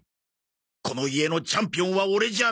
この家のチャンピオンはオレじゃない。